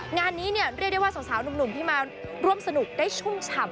งานนี้เนี่ยเรียกได้ว่าสาวหนุ่มที่มาร่วมสนุกได้ชุ่มฉ่ำ